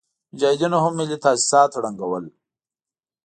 مجاهدينو هم ملي تاسيسات ړنګول.